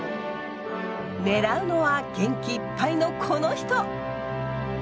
狙うのは元気いっぱいのこの人！